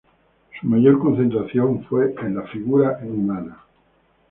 Su mayor concentración fue en la figura humana.